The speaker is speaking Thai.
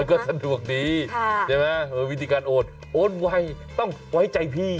ก็สะดวกดีใช่ไหมวิธีการโอนโอนไวต้องไว้ใจพี่